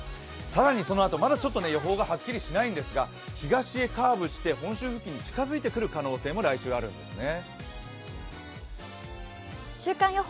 更にそのあと、まだちょっと予報がはっきりしないんですが東へカーブして本州付近に近づいてくる可能性も来週あるんですね。